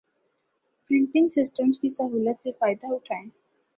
پریٹنگ systems کی سہولیات سے فائدہ اٹھائیں